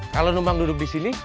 kalau numpang duduk disini